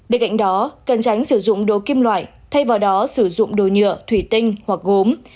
bên cạnh đó cần tránh sử dụng đồ kim loại thay vào đó sử dụng đồ nhựa thủy tinh hoặc gốm